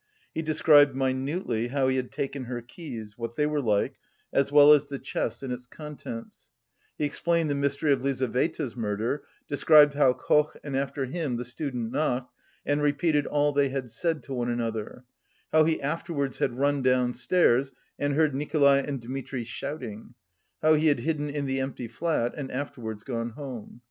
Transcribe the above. He described minutely how he had taken her keys, what they were like, as well as the chest and its contents; he explained the mystery of Lizaveta's murder; described how Koch and, after him, the student knocked, and repeated all they had said to one another; how he afterwards had run downstairs and heard Nikolay and Dmitri shouting; how he had hidden in the empty flat and afterwards gone home.